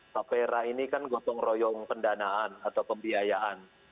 pak fajro ini kan gotong royong pendanaan atau pembiayaan